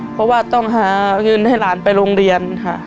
เพราะว่าต้องหาเงินให้หลานไปโรงเรียนค่ะ